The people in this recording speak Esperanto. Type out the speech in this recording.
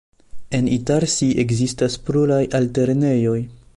En Itarsi ekzistas pluraj altlernejoj.